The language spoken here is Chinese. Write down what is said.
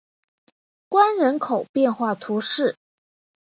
关人口变化图示